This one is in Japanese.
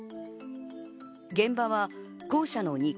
現場は校舎の２階。